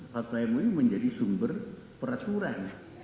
fatwa mui menjadi sumber peraturan